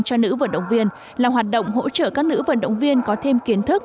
cho nữ vận động viên là hoạt động hỗ trợ các nữ vận động viên có thêm kiến thức